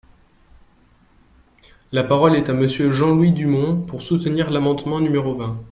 La parole est à Monsieur Jean-Louis Dumont, pour soutenir l’amendement numéro vingt.